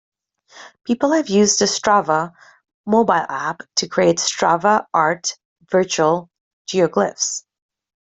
People have used the Strava mobile app to create Strava art, virtual geoglyphs.